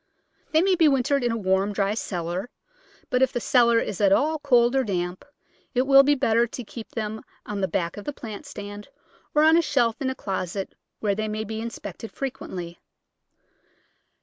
They may be wintered in a warm, dry cellar, but, if the cellar is at all cold or damp, it will be better to keep them on the back of the plant stand or on a shelf in a closet where they may be inspected frequently.